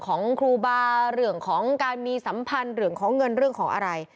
ของครูบาเรื่องของการมีสัมพันธ์เรื่องของเงินเรื่องของอะไร